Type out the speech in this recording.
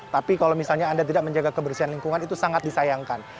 tapi kalau misalnya anda tidak menjaga kebersihan lingkungan itu sangat disayangkan